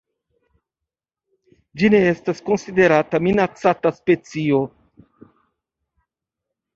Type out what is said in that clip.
Ĝi ne estas konsiderata minacata specio.